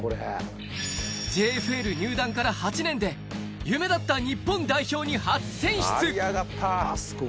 ＪＦＬ入団から８年で、夢だった日本代表に初選出。